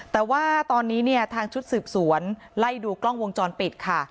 แต่ว่าตอนนี้เนี่ยทางชุดสืบสวนไล่ดูกล้องวงจรปิดค่ะ